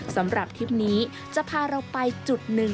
สำหรับทริปนี้จะพาเราไปจุดหนึ่ง